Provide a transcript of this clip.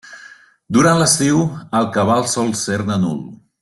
Durant l'estiu el cabal sol ser-ne nul.